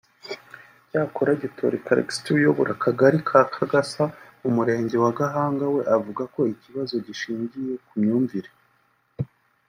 Icyakora Gitoli Callixte uyobora Akagali ka Kagasa mu murenge wa Gahanga we avuga ko ikibazo gishingiye ku myumvire